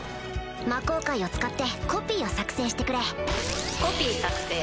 魔鋼塊を使ってコピーを作成してくれコピー作成。